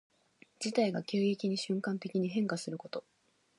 事態が急激に瞬間的に変化すること。